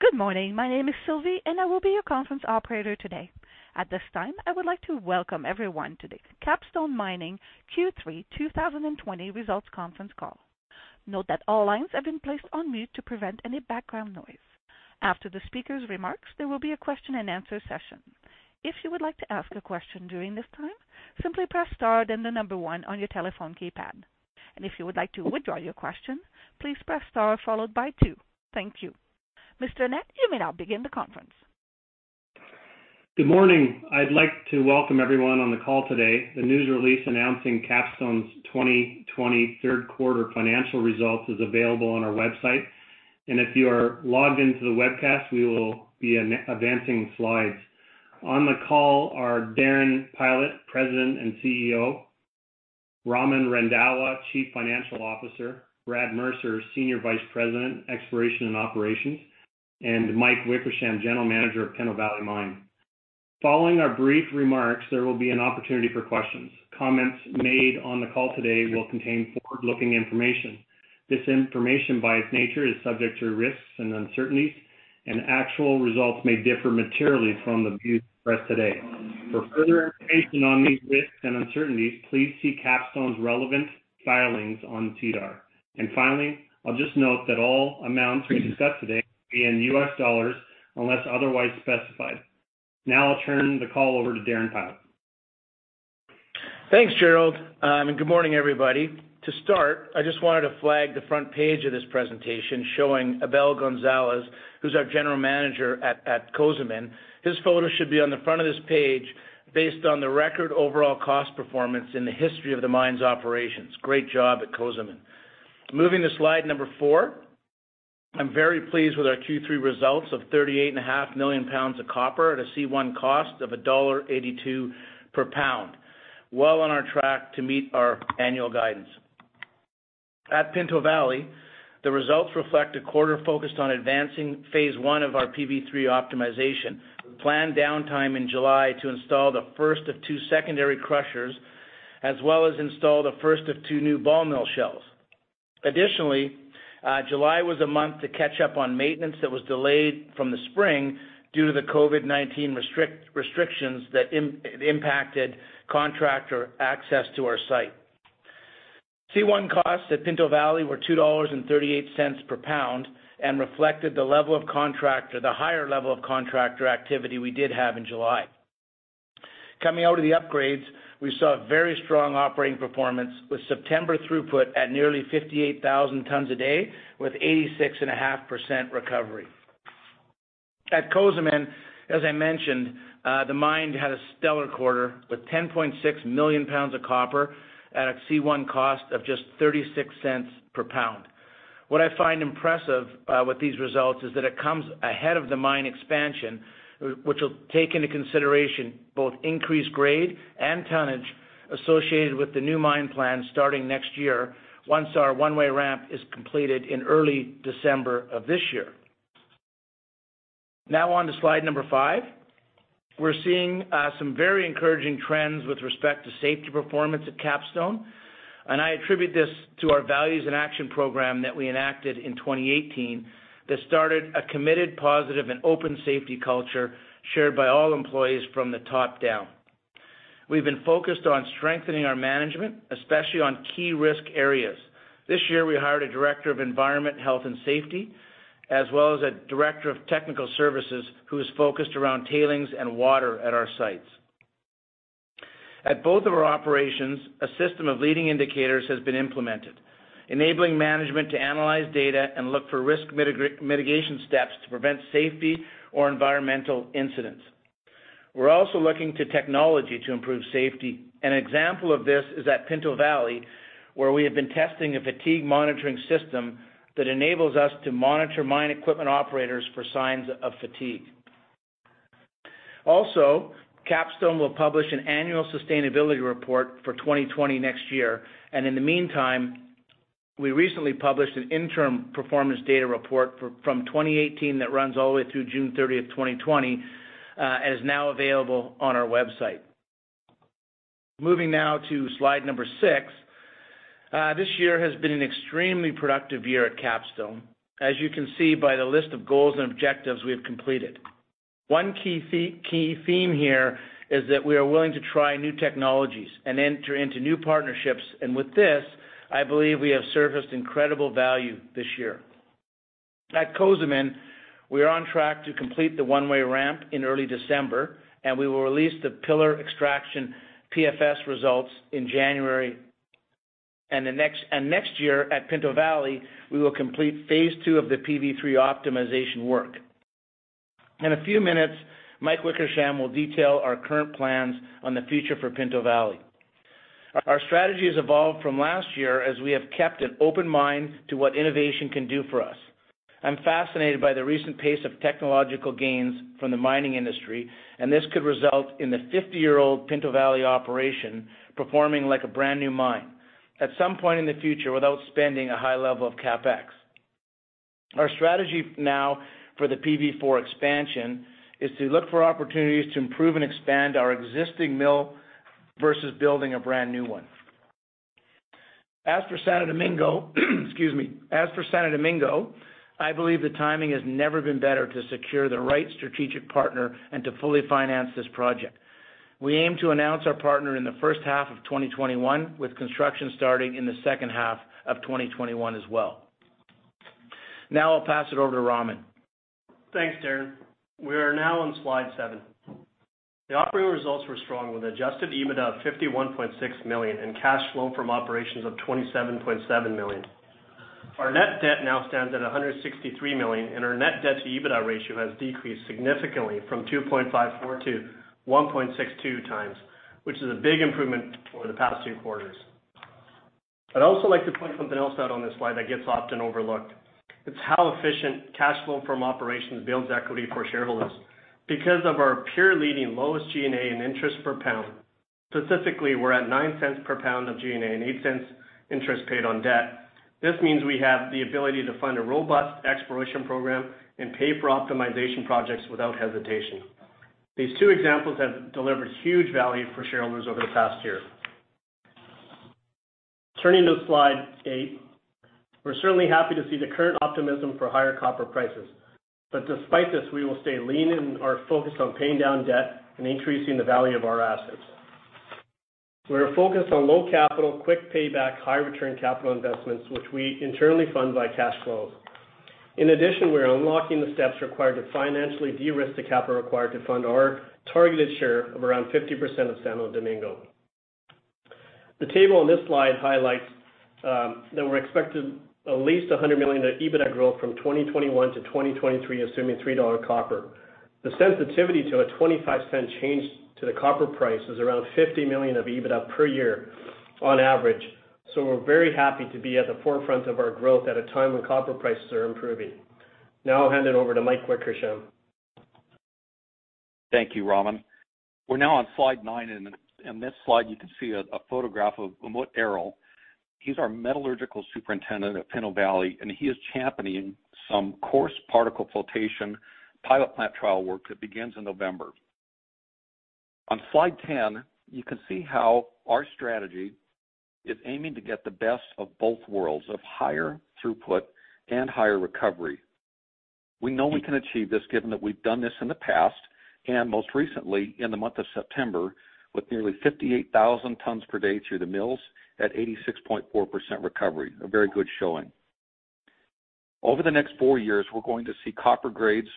Good morning. My name is Sylvie, and I will be your conference operator today. At this time, I would like to welcome everyone to the Capstone Mining Q3 2020 Results Conference Call. Note that all lines have been placed on mute to prevent any background noise. After the speaker's remarks, there will be a question-and-answer session. If you would like to ask a question during this time, simply press star, then the number one on your telephone keypad. If you would like to withdraw your question, please press star followed by two. Thank you. Mr. Annett, you may now begin the conference. Good morning. I'd like to welcome everyone on the call today. The news release announcing Capstone's 2020 Third Quarter Financial Results is available on our website. If you are logged into the webcast, we will be advancing slides. On the call are Darren Pylot, President and CEO, Raman Randhawa, Chief Financial Officer, Brad Mercer, Senior Vice President, Exploration and Operations, and Mike Wickersham, General Manager of Pinto Valley Mine. Following our brief remarks, there will be an opportunity for questions. Comments made on the call today will contain forward-looking information. This information, by its nature, is subject to risks and uncertainties, and actual results may differ materially from the views expressed today. For further information on these risks and uncertainties, please see Capstone's relevant filings on SEDAR. Finally, I'll just note that all amounts we discuss today will be in U.S. dollars unless otherwise specified. Now I'll turn the call over to Darren Pylot. Thanks, Jerrold. Good morning, everybody. To start, I just wanted to flag the front page of this presentation showing Abel Gonzalez, who is our general manager at Cozamin. His photo should be on the front of this page based on the record overall cost performance in the history of the mine’s operations. Great job at Cozamin. Moving to slide number four, I am very pleased with our Q3 results of 38.5 million pounds of copper at a C1 cost of $1.82 per pound. Well on our track to meet our annual guidance. At Pinto Valley, the results reflect a quarter focused on advancing phase I of our PV3 optimization with planned downtime in July to install the first of two secondary crushers, as well as install the first of two new ball mill shells. Additionally, July was a month to catch up on maintenance that was delayed from the spring due to the COVID-19 restrictions that impacted contractor access to our site. C1 costs at Pinto Valley were $2.38 per pound and reflected the higher level of contractor activity we did have in July. Coming out of the upgrades, we saw very strong operating performance with September throughput at nearly 58,000 tons a day with 86.5% recovery. At Cozamin, as I mentioned, the mine had a stellar quarter with 10.6 million pounds of copper at a C1 cost of just $0.36 per pound. What I find impressive with these results is that it comes ahead of the mine expansion, which will take into consideration both increased grade and tonnage associated with the new mine plan starting next year, once our one-way ramp is completed in early December of this year. On to slide number five. We're seeing some very encouraging trends with respect to safety performance at Capstone, and I attribute this to our Values in Action program that we enacted in 2018 that started a committed, positive, and open safety culture shared by all employees from the top down. We've been focused on strengthening our management, especially on key risk areas. This year, we hired a Director of Environment, Health, and Safety, as well as a Director of Technical Services who is focused around tailings and water at our sites. At both of our operations, a system of leading indicators has been implemented, enabling management to analyze data and look for risk mitigation steps to prevent safety or environmental incidents. We're also looking to technology to improve safety. An example of this is at Pinto Valley, where we have been testing a fatigue monitoring system that enables us to monitor mine equipment operators for signs of fatigue. Also, Capstone will publish an annual sustainability report for 2020 next year, and in the meantime, we recently published an interim performance data report from 2018 that runs all the way through June 30th, 2020, and is now available on our website. Moving now to slide number six. This year has been an extremely productive year at Capstone, as you can see by the list of goals and objectives we have completed. One key theme here is that we are willing to try new technologies and enter into new partnerships. With this, I believe we have surfaced incredible value this year. At Cozamin, we are on track to complete the one-way ramp in early December. We will release the pillar extraction PFS results in January. Next year at Pinto Valley, we will complete phase II of the PV3 optimization work. In a few minutes, Mike Wickersham will detail our current plans on the future for Pinto Valley. Our strategy has evolved from last year as we have kept an open mind to what innovation can do for us. I'm fascinated by the recent pace of technological gains from the mining industry. This could result in the 50-year-old Pinto Valley operation performing like a brand-new mine at some point in the future without spending a high level of CapEx. Our strategy now for the PV4 expansion is to look for opportunities to improve and expand our existing mill versus building a brand-new one. As for Santo Domingo, excuse me. As for Santo Domingo, I believe the timing has never been better to secure the right strategic partner and to fully finance this project. We aim to announce our partner in the first half of 2021, with construction starting in the second half of 2021 as well. Now I'll pass it over to Raman. Thanks, Darren. We are now on slide seven. The operating results were strong, with adjusted EBITDA of $51.6 million and cash flow from operations of $27.7 million. Our net debt now stands at $163 million, and our net debt to EBITDA ratio has decreased significantly from 2.54x-1.62x, which is a big improvement over the past two quarters. I'd also like to point something else out on this slide that gets often overlooked. It's how efficient cash flow from operations builds equity for shareholders. Because of our peer-leading lowest G&A and interest per pound, specifically, we're at $0.09 per pound of G&A and $0.08 interest paid on debt. This means we have the ability to fund a robust exploration program and pay for optimization projects without hesitation. These two examples have delivered huge value for shareholders over the past year. Turning to slide eight. We're certainly happy to see the current optimism for higher copper prices. Despite this, we will stay lean in our focus on paying down debt and increasing the value of our assets. We are focused on low capital, quick payback, high return capital investments, which we internally fund by cash flows. In addition, we are unlocking the steps required to financially de-risk the capital required to fund our targeted share of around 50% of Santo Domingo. The table on this slide highlights that we're expecting at least $100 million of EBITDA growth from 2021-2023, assuming $3 copper. The sensitivity to a $0.25 change to the copper price is around $50 million of EBITDA per year on average, so we're very happy to be at the forefront of our growth at a time when copper prices are improving. I'll hand it over to Mike Wickersham. Thank you, Raman. We're now on slide nine. On this slide you can see a photograph of Umut Erol. He's our metallurgical superintendent at Pinto Valley, and he is championing some coarse particle flotation pilot plant trial work that begins in November. On slide 10, you can see how our strategy is aiming to get the best of both worlds, of higher throughput and higher recovery. We know we can achieve this given that we've done this in the past, and most recently in the month of September, with nearly 58,000 tons per day through the mills at 86.4% recovery. A very good showing. Over the next four years, we're going to see copper grades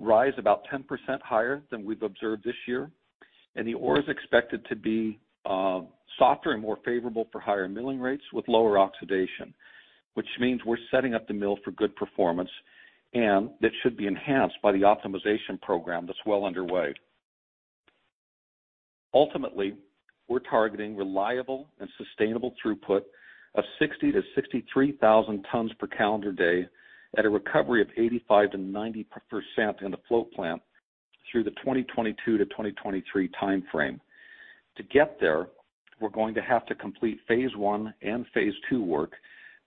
rise about 10% higher than we've observed this year, and the ore is expected to be softer and more favorable for higher milling rates with lower oxidation, which means we're setting up the mill for good performance, and that's should be enhanced by the optimization program that's well underway. Ultimately, we're targeting reliable and sustainable throughput of 60,000 tons-63,000 tons per calendar day at a recovery of 85% to 90% in the float plant through the 2022-2023 timeframe. To get there, we're going to have to complete phase I and phase II work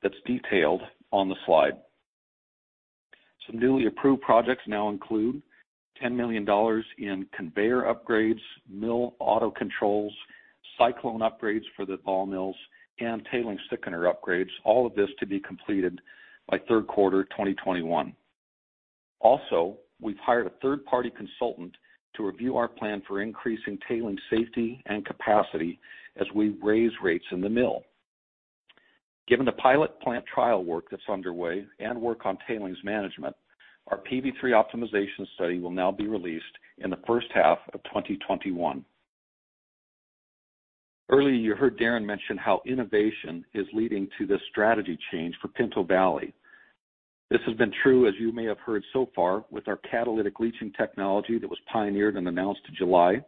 that's detailed on the slide. Some newly approved projects now include $10 million in conveyor upgrades, mill auto controls, cyclone upgrades for the ball mills, and tailings thickener upgrades, all of this to be completed by third quarter 2021. Also, we've hired a third-party consultant to review our plan for increasing tailings safety and capacity as we raise rates in the mill. Given the pilot plant trial work that's underway and work on tailings management, our PV3 optimization study will now be released in the first half of 2021. Earlier you heard Darren mention how innovation is leading to this strategy change for Pinto Valley. This has been true, as you may have heard so far, with our catalytic leaching technology that was pioneered and announced in July,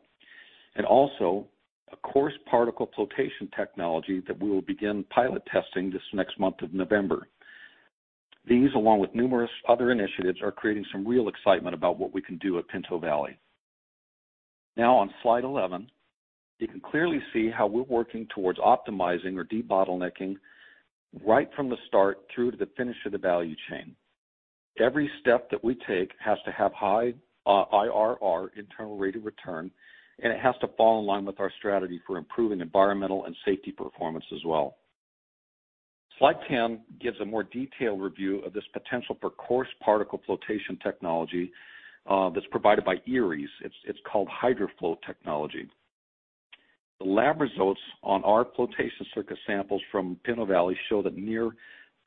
and also a coarse particle flotation technology that we will begin pilot testing this next month of November. These, along with numerous other initiatives, are creating some real excitement about what we can do at Pinto Valley. Now on slide 11, you can clearly see how we're working towards optimizing or debottlenecking right from the start through to the finish of the value chain. Every step that we take has to have high IRR, internal rate of return, and it has to fall in line with our strategy for improving environmental and safety performance as well. Slide 10 gives a more detailed review of this potential for coarse particle flotation technology that's provided by Eriez. It's called HydroFloat technology. The lab results on our flotation circuit samples from Pinto Valley show that near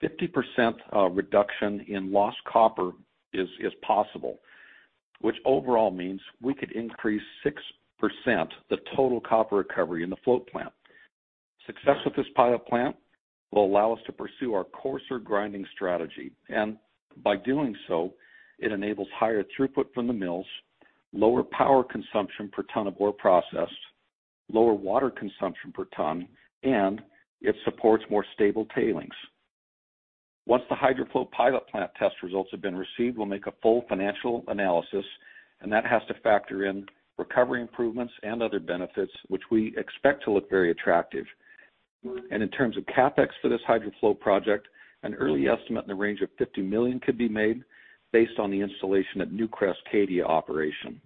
50% reduction in lost copper is possible, which overall means we could increase 6% the total copper recovery in the float plant. Success with this pilot plant will allow us to pursue our coarser grinding strategy, and by doing so, it enables higher throughput from the mills, lower power consumption per ton of ore processed, lower water consumption per ton, and it supports more stable tailings. Once the HydroFloat pilot plant test results have been received, we'll make a full financial analysis, and that has to factor in recovery improvements and other benefits, which we expect to look very attractive. In terms of CapEx for this HydroFloat project, an early estimate in the range of $50 million could be made based on the installation at Newcrest Cadia operation.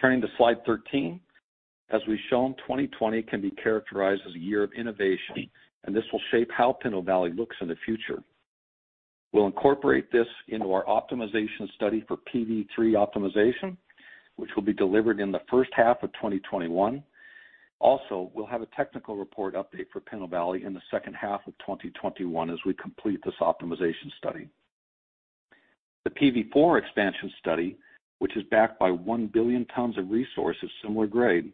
Turning to slide 13. As we've shown, 2020 can be characterized as a year of innovation, and this will shape how Pinto Valley looks in the future. We'll incorporate this into our optimization study for PV3 optimization, which will be delivered in the first half of 2021. Also, we'll have a technical report update for Pinto Valley in the second half of 2021 as we complete this optimization study. The PV4 expansion study, which is backed by 1 billion tons of resources, similar grade,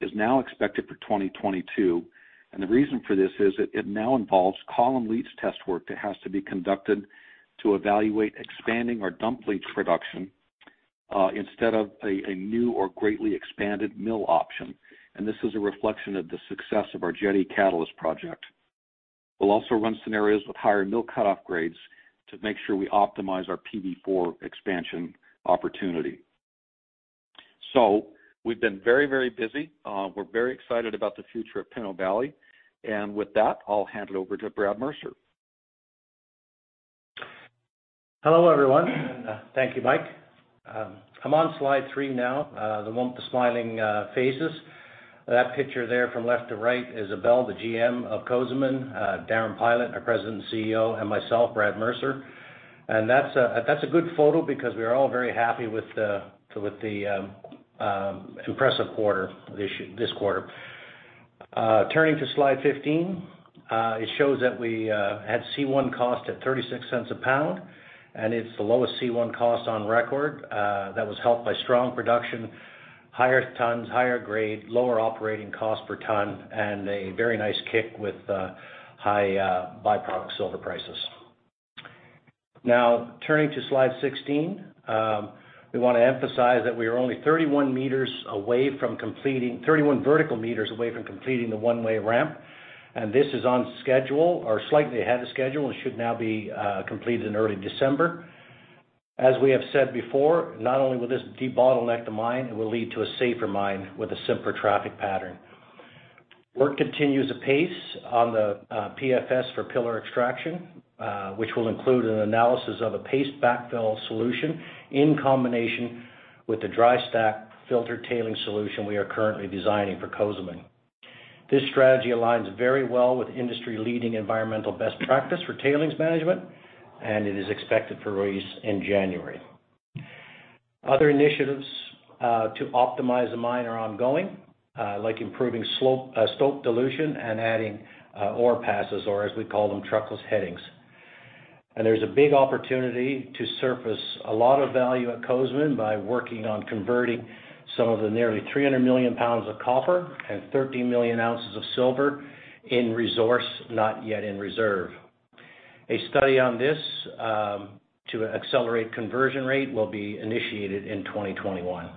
is now expected for 2022. The reason for this is that it now involves column leach test work that has to be conducted to evaluate expanding our dump leach production, instead of a new or greatly expanded mill option. This is a reflection of the success of our Jetti Catalyst Project. We'll also run scenarios with higher mill cut-off grades to make sure we optimize our PV4 expansion opportunity. We've been very busy. We're very excited about the future of Pinto Valley. With that, I'll hand it over to Brad Mercer. Hello, everyone. Thank you, Mike. I'm on slide three now, the one with the smiling faces. That picture there from left to right is Abel, the GM of Cozamin, Darren Pylot, our President and CEO, and myself, Brad Mercer. That's a good photo because we're all very happy with the impressive quarter this quarter. Turning to slide 15. It shows that we had C1 cost at $0.36 a pound, and it's the lowest C1 cost on record. That was helped by strong production, higher tons, higher grade, lower operating cost per ton, and a very nice kick with high by-product silver prices. Now turning to slide 16. We want to emphasize that we are only 31 vertical meters away from completing the one-way ramp, and this is on schedule or slightly ahead of schedule and should now be completed in early December. As we have said before, not only will this de-bottleneck the mine, it will lead to a safer mine with a simpler traffic pattern. Work continues apace on the PFS for pillar extraction, which will include an analysis of a paste backfill solution in combination with the dry stack filter tailings solution we are currently designing for Cozamin. It is expected for release in January. Other initiatives to optimize the mine are ongoing, like improving stope dilution and adding ore passes, or as we call them, truckless headings. There's a big opportunity to surface a lot of value at Cozamin by working on converting some of the nearly 300 million pounds of copper and 30 million ounces of silver in resource, not yet in reserve. A study on this, to accelerate conversion rate, will be initiated in 2021.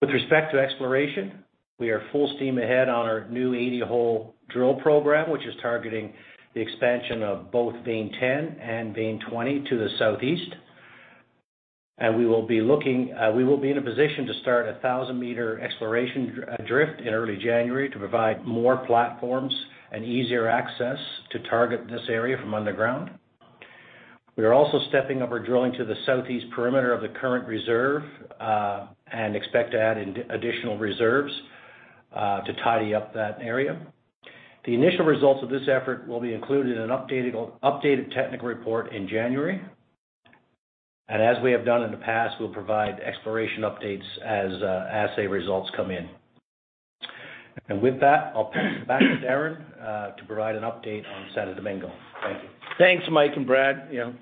With respect to exploration, we are full steam ahead on our new 80-hole drill program, which is targeting the expansion of both vein 10 and vein 20 to the southeast. We will be in a position to start a 1,000 m exploration drift in early January to provide more platforms and easier access to target this area from underground. We are also stepping up our drilling to the southeast perimeter of the current reserve, and expect to add additional reserves to tidy up that area. The initial results of this effort will be included in an updated technical report in January. As we have done in the past, we'll provide exploration updates as assay results come in. With that, I'll pass it back to Darren to provide an update on Santo Domingo. Thank you. Thanks, Mike and Brad. Now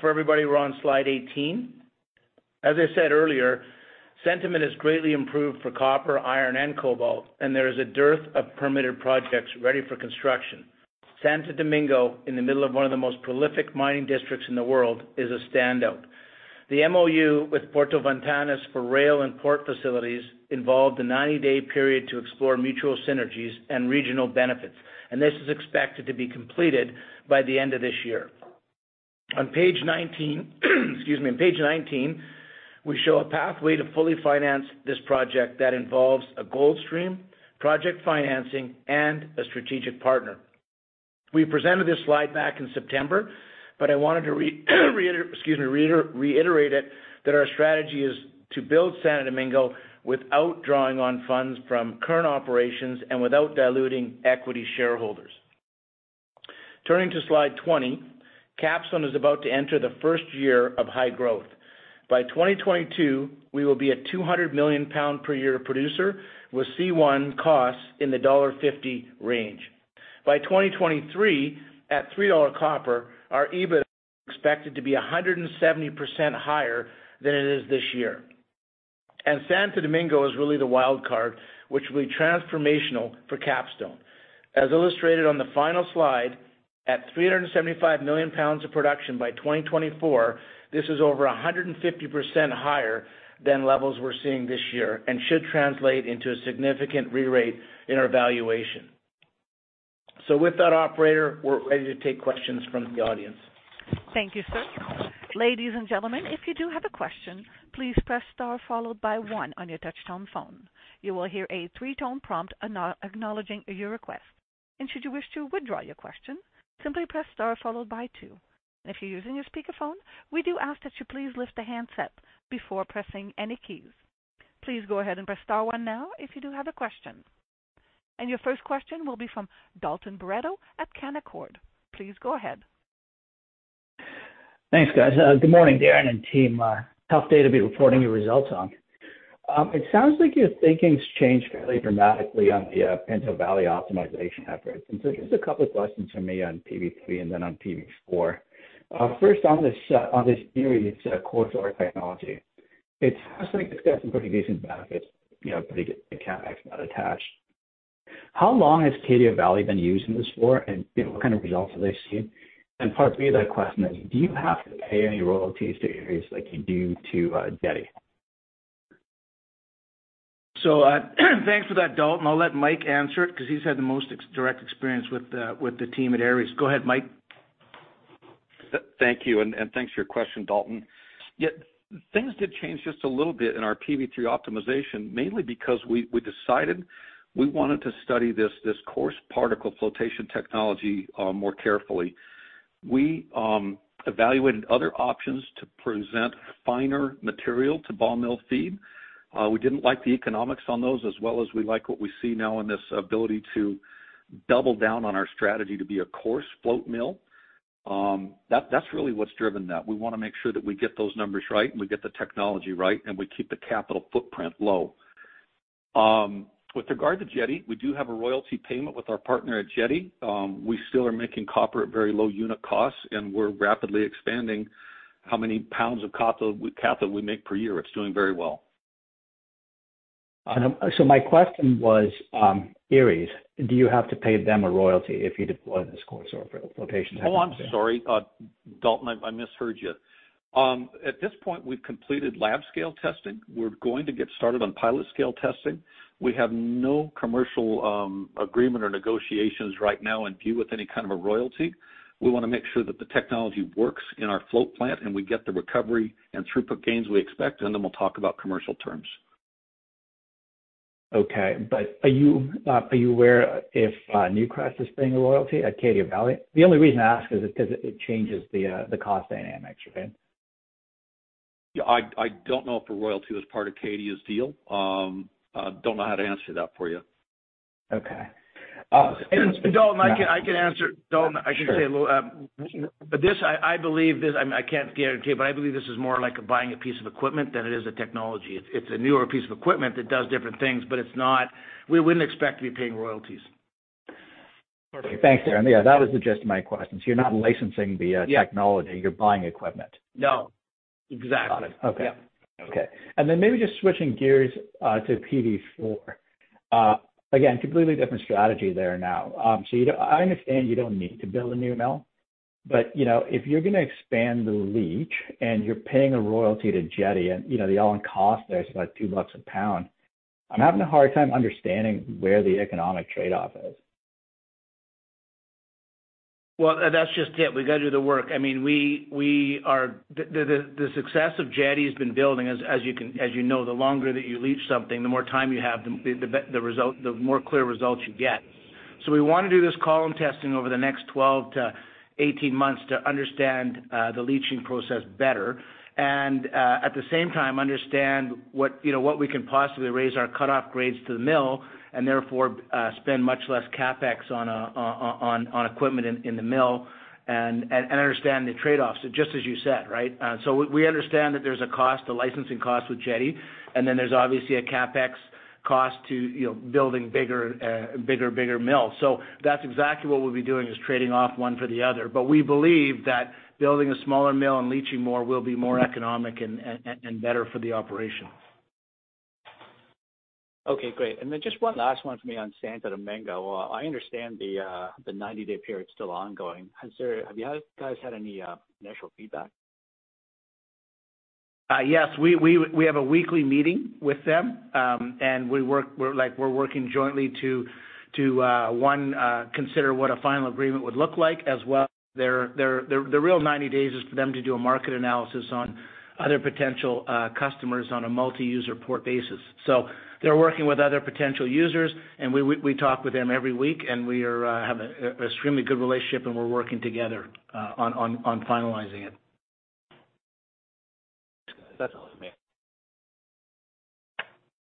for everybody, we're on slide 18. As I said earlier, sentiment has greatly improved for copper, iron, and cobalt, and there is a dearth of permitted projects ready for construction. Santo Domingo, in the middle of one of the most prolific mining districts in the world, is a standout. The MoU with Puerto Ventanas for rail and port facilities involved a 90-day period to explore mutual synergies and regional benefits, and this is expected to be completed by the end of this year. On page 19, we show a pathway to fully finance this project that involves a gold stream, project financing, and a strategic partner. We presented this slide back in September, but I wanted to, excuse me, reiterate it, that our strategy is to build Santo Domingo without drawing on funds from current operations and without diluting equity shareholders. Turning to slide 20. Capstone is about to enter the first year of high growth. By 2022, we will be a 200 million pound per year producer with C1 costs in the $1.50 range. By 2023, at $3 copper, our EBITDA is expected to be 170% higher than it is this year. Santo Domingo is really the wild card, which will be transformational for Capstone. As illustrated on the final slide, at 375 million pounds of production by 2024, this is over 150% higher than levels we're seeing this year and should translate into a significant re-rate in our valuation. With that, operator, we're ready to take questions from the audience. Thank you, sir. Ladies and gentlemen, if you do have a question, please press star followed by one on your touch-tone phone. You will hear a three-tone prompt acknowledging your request. Should you wish to withdraw your question, simply press star followed by two. If you're using your speakerphone, we do ask that you please lift the handset before pressing any keys. Please go ahead and press star one now if you do have a question. Your first question will be from Dalton Baretto at Canaccord. Please go ahead. Thanks, guys. Good morning, Darren and team. Tough day to be reporting your results on. It sounds like your thinking's changed fairly dramatically on the Pinto Valley optimization efforts. Just a couple of questions from me on PV3 and then on PV4. First on this Eriez coarse ore technology. It sounds like it's got some pretty decent benefits, pretty good CapEx that attach. How long has Cadia Valley been using this for, and what kind of results have they seen? Part three of that question is, do you have to pay any royalties to Jetti like you do to Jetti? Thanks for that, Dalton. I'll let Mike answer it because he's had the most direct experience with the team at Eriez. Go ahead, Mike. Thank you, and thanks for your question, Dalton. Things did change just a little bit in our PV3 optimization, mainly because we decided we wanted to study this coarse particle flotation technology more carefully. We evaluated other options to present finer material to ball mill feed. We didn't like the economics on those, as well as we like what we see now in this ability to double down on our strategy to be a coarse float mill. That's really what's driven that. We want to make sure that we get those numbers right, and we get the technology right, and we keep the capital footprint low. With regard to Jetti, we do have a royalty payment with our partner at Jetti. We still are making copper at very low unit costs, and we're rapidly expanding how many pounds of cathode we make per year. It's doing very well. My question was, Eriez, do you have to pay them a royalty if you deploy this coarse ore flotation technology? Oh, I'm sorry. Dalton, I misheard you. At this point, we've completed lab-scale testing. We're going to get started on pilot-scale testing. We have no commercial agreement or negotiations right now in view with any kind of a royalty. We want to make sure that the technology works in our float plant, and we get the recovery and throughput gains we expect, and then we'll talk about commercial terms. Okay, are you aware if Newcrest is paying a royalty at Cadia Valley? The only reason I ask is because it changes the cost dynamics. Okay? Yeah, I don't know if a royalty was part of Cadia's deal. I don't know how to answer that for you. Okay. Dalton, I can answer. Dalton, I should say, this I believe is, I can't guarantee it, but I believe this is more like buying a piece of equipment than it is a technology. It's a newer piece of equipment that does different things, but we wouldn't expect to be paying royalties. Perfect. Thanks, Darren. Yeah, that was the gist of my question. You're not licensing the technology. Yeah. You're buying equipment. No, exactly. Got it. Okay. Yeah. Okay. Maybe just switching gears to PV4. Again, completely different strategy there now. I understand you don't need to build a new mill, but if you're going to expand the leach and you're paying a royalty to Jetti and the all-in cost there is like $2 a pound, I'm having a hard time understanding where the economic trade-off is. Well, that's just it. We've got to do the work. The success of Jetti has been building. As you know, the longer that you leach something, the more time you have, the more clear results you get. We want to do this column testing over the next 12-18 months to understand the leaching process better, and at the same time, understand what we can possibly raise our cutoff grades to the mill, and therefore, spend much less CapEx on equipment in the mill and understand the trade-offs, just as you said, right? We understand that there's a licensing cost with Jetti, and then there's obviously a CapEx cost to building bigger mills. That's exactly what we'll be doing, is trading off one for the other. We believe that building a smaller mill and leaching more will be more economic and better for the operations. Okay, great. Then just one last one for me on Santo Domingo. I understand the 90-day period's still ongoing. Have you guys had any initial feedback? Yes. We have a weekly meeting with them. We're working jointly to, one, consider what a final agreement would look like, as well the real 90 days is for them to do a market analysis on other potential customers on a multi-user port basis. They're working with other potential users, and we talk with them every week, and we have an extremely good relationship, and we're working together on finalizing it. Thanks, guys. That's all from me.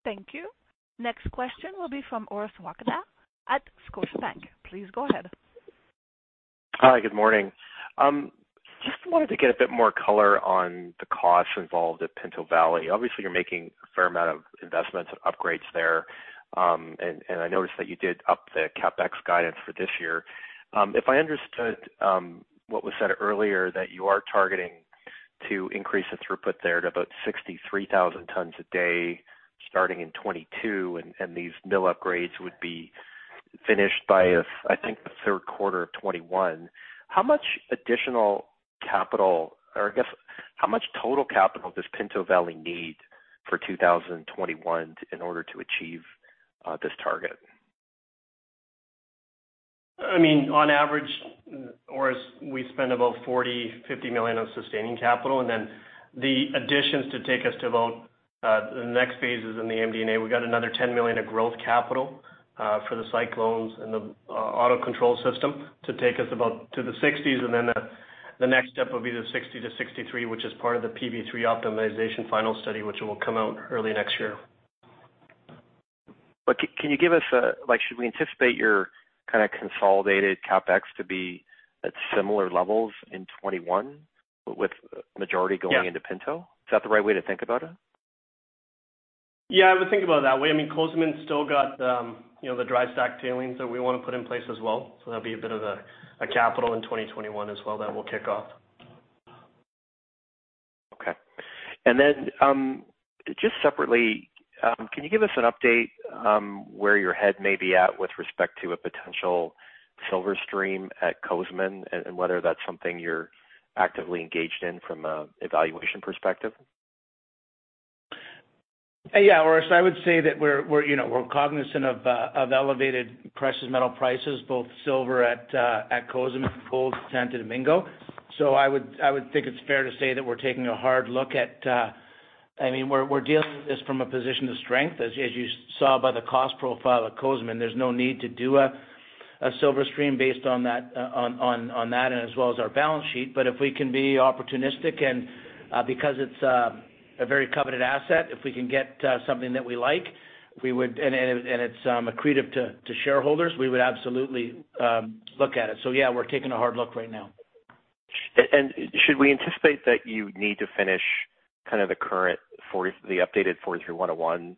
Thank you. Next question will be from Orest Wowkodaw at Scotiabank. Please go ahead. Hi, good morning. Just wanted to get a bit more color on the costs involved at Pinto Valley. Obviously, you're making a fair amount of investments and upgrades there. I noticed that you did up the CapEx guidance for this year. If I understood what was said earlier, that you are targeting to increase the throughput there to about 63,000 tons a day starting in 2022, these mill upgrades would be finished by, I think, the third quarter of 2021. How much additional capital, or I guess, how much total capital does Pinto Valley need for 2021 in order to achieve this target? On average, Orest, we spend about $40 million, $50 million on sustaining capital, and then the additions to take us to about the next phases in the MD&A, we got another $10 million of growth capital for the cyclones and the auto control system to take us about to the 60s. The next step will be the 60,000 tons-63,000 tons, which is part of the PV3 optimization final study, which will come out early next year. Can you give us a, should we anticipate your kind of consolidated CapEx to be at similar levels in 2021 with majority going into Pinto? Is that the right way to think about it? Yeah, I would think about it that way. Cozamin's still got the dry stack tailings that we want to put in place as well. That'll be a bit of a capital in 2021 as well that we'll kick off. Okay. Just separately, can you give us an update, where your head may be at with respect to a potential silver stream at Cozamin and whether that's something you're actively engaged in from a evaluation perspective? Yeah. Orest, I would say that we're cognizant of elevated precious metal prices, both silver at Cozamin and gold at Santo Domingo. I would think it's fair to say that we're dealing with this from a position of strength. As you saw by the cost profile at Cozamin, there's no need to do a silver stream based on that, and as well as our balance sheet. If we can be opportunistic and, because it's a very coveted asset, if we can get something that we like, and it's accretive to shareholders, we would absolutely look at it. Yeah, we're taking a hard look right now. Should we anticipate that you need to finish the updated 43-101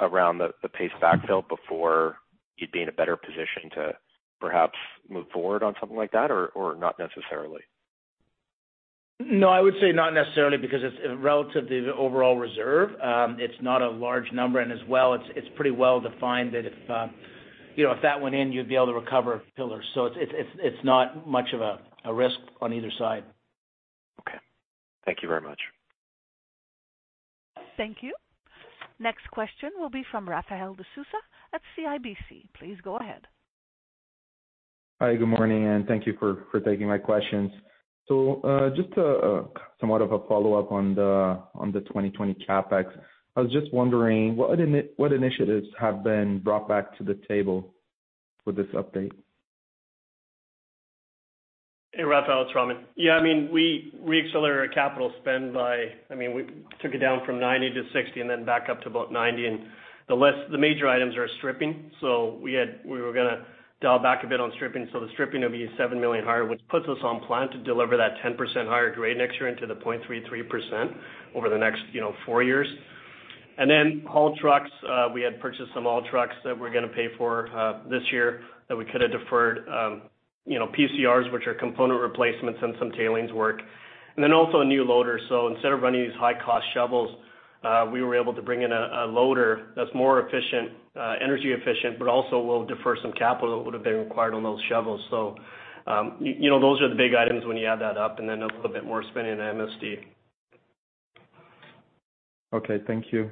around the paste backfill before you'd be in a better position to perhaps move forward on something like that or not necessarily? No, I would say not necessarily, because it's relative to the overall reserve. It's not a large number, and as well, it's pretty well defined that if that went in, you'd be able to recover pillars. It's not much of a risk on either side. Okay. Thank you very much. Thank you. Next question will be from Raphael de Souza at CIBC. Please go ahead. Hi, good morning, and thank you for taking my questions. Just somewhat of a follow-up on the 2020 CapEx. I was just wondering, what initiatives have been brought back to the table with this update? Hey, Ralph, it's Raman. We accelerated our capital spend by, we took it down from 90 to 60, and then back up to about 90. The major items are stripping. We were going to dial back a bit on stripping. The stripping will be $7 million higher, which puts us on plan to deliver that 10% higher grade next year into the 0.33% over the next four years. Haul trucks, we had purchased some haul trucks that we're going to pay for this year that we could have deferred. PCRs, which are component replacements and some tailings work. Also a new loader. Instead of running these high-cost shovels, we were able to bring in a loader that's more energy efficient, but also will defer some capital that would've been required on those shovels. Those are the big items when you add that up, and then a little bit more spend in MSD. Okay, thank you.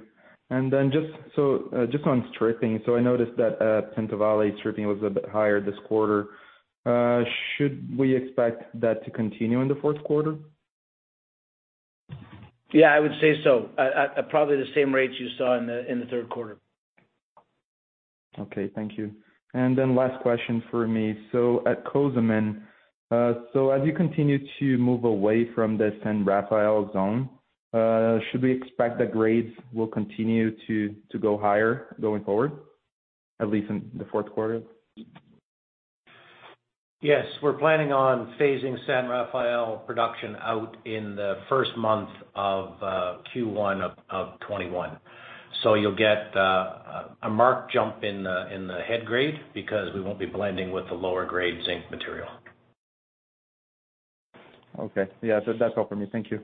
Just on stripping. I noticed that at Pinto Valley stripping was a bit higher this quarter. Should we expect that to continue in the fourth quarter? Yeah, I would say so. At probably the same rates you saw in the third quarter. Okay, thank you. Last question for me. At Cozamin, as you continue to move away from the San Rafael zone, should we expect that grades will continue to go higher going forward, at least in the fourth quarter? Yes. We're planning on phasing San Rafael production out in the first month of Q1 of 2021. You'll get a marked jump in the head grade because we won't be blending with the lower grade zinc material. Okay. Yeah, that's all from me. Thank you.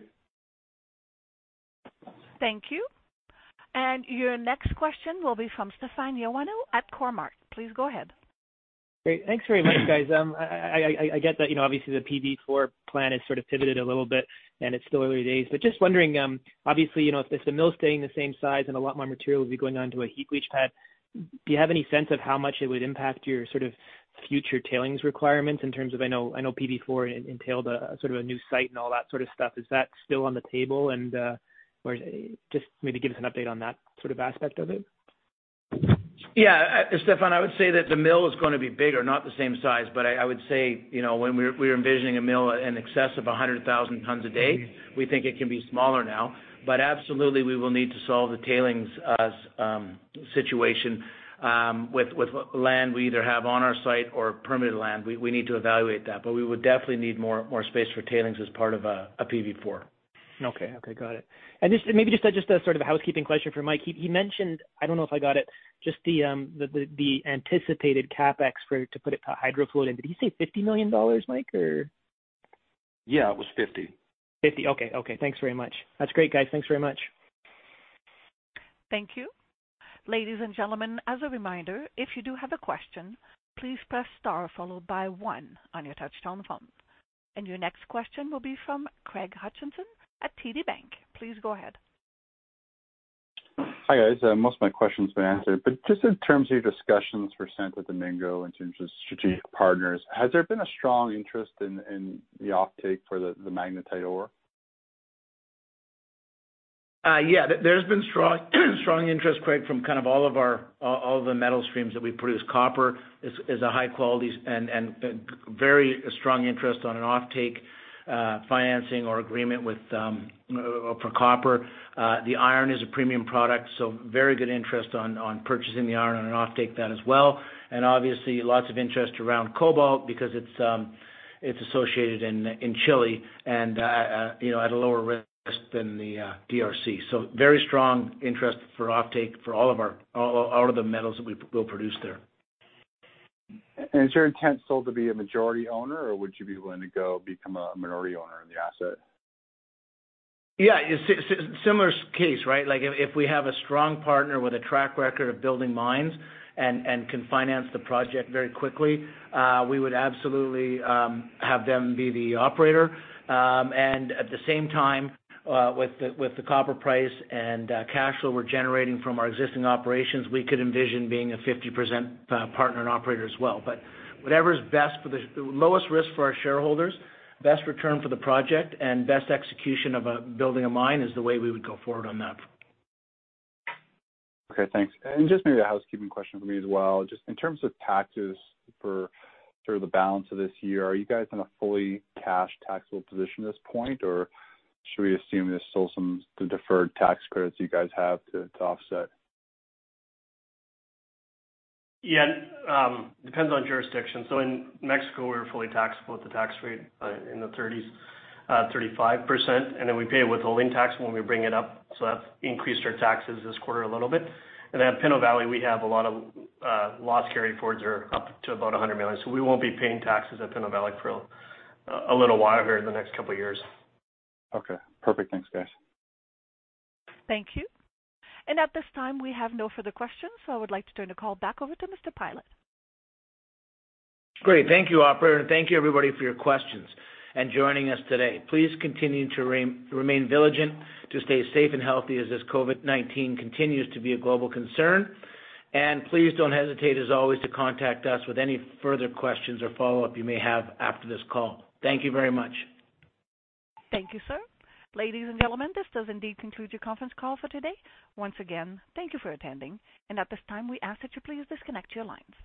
Thank you. Your next question will be from Stefan Ioannou at Cormark. Please go ahead. Great. Thanks very much, guys. I get that obviously the PV4 plan has sort of pivoted a little bit and it's still early days, but just wondering, obviously, if the mill's staying the same size and a lot more material will be going onto a heap leach pad, do you have any sense of how much it would impact your future tailings requirements in terms of, I know PV4 entailed a new site and all that sort of stuff. Is that still on the table? Just maybe give us an update on that aspect of it. Yeah. Stefan, I would say that the mill is going to be bigger, not the same size. I would say, when we were envisioning a mill in excess of 100,000 tons a day, we think it can be smaller now. Absolutely, we will need to solve the tailings situation with land we either have on our site or permitted land. We need to evaluate that, but we would definitely need more space for tailings as part of a PV4. Okay. Got it. Just maybe just a sort of a housekeeping question for Mike. He mentioned, I don't know if I got it, just the anticipated CapEx to put a HydroFloat in. Did he say $50 million, Mike, or? Yeah, it was $50. $50, okay. Thanks very much. That's great, guys. Thanks very much. Thank you. Ladies and gentlemen, as a reminder, if you do have a question, please press star followed by one on your touchtone phone. Your next question will be from Craig Hutchison at TD Securities. Please go ahead. Hi, guys. Most of my question's been answered, but just in terms of your discussions for Santo Domingo in terms of strategic partners, has there been a strong interest in the offtake for the magnetite ore? Yeah, there's been strong interest, Craig, from kind of all of the metal streams that we produce. Copper is a high quality and very strong interest on an offtake financing or agreement for copper. The iron is a premium product, very good interest on purchasing the iron, on an offtake of that as well. Obviously, lots of interest around cobalt because it's associated in Chile, and at a lower risk than the D.R.C. Very strong interest for offtake for all of the metals that we'll produce there. Is your intent still to be a majority owner, or would you be willing to go become a minority owner in the asset? Yeah. Similar case, right? If we have a strong partner with a track record of building mines and can finance the project very quickly, we would absolutely have them be the operator. At the same time, with the copper price and cash flow we're generating from our existing operations, we could envision being a 50% partner and operator as well. Whatever's best for the lowest risk for our shareholders, best return for the project, and best execution of building a mine is the way we would go forward on that. Okay, thanks. Just maybe a housekeeping question from me as well. Just in terms of taxes for sort of the balance of this year, are you guys in a fully cash taxable position at this point, or should we assume there is still some deferred tax credits you guys have to offset? Depends on jurisdiction. In Mexico, we're fully taxable at the tax rate in the 30s, 35%, and then we pay withholding tax when we bring it up. At Pinto Valley, we have a lot of loss carry-forwards are up to about $100 million. We won't be paying taxes at Pinto Valley for a little while here in the next couple of years. Okay, perfect. Thanks, guys. Thank you. At this time, we have no further questions, so I would like to turn the call back over to Mr. Pylot. Great. Thank you, operator, and thank you everybody for your questions and joining us today. Please continue to remain vigilant to stay safe and healthy as this COVID-19 continues to be a global concern. Please don't hesitate, as always, to contact us with any further questions or follow-up you may have after this call. Thank you very much. Thank you, sir. Ladies and gentlemen, this does indeed conclude your conference call for today. Once again, thank you for attending, and at this time, we ask that you please disconnect your lines.